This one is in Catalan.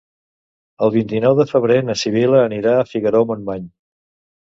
El vint-i-nou de febrer na Sibil·la anirà a Figaró-Montmany.